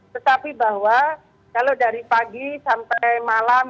tetapi bahwa kalau dari pagi sampai malam